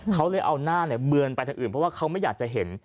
เขาเลยเอาหน้าเบือนไปทางอื่นเพราะว่าเขาไม่อยากจะเห็น